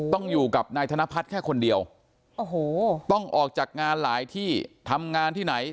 ต้องอยู่กับนายธนพัฒน์แค่คนเดียวโอ้โหต้องออกจากงานหลายที่ทำงานที่ไหน